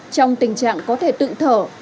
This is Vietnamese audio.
trong tình trạng có thể tự thở